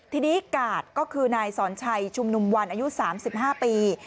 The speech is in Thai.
ทีนี้กาดก็คือนายสอนชัยชุมนุมวันอายุ๓๕ปี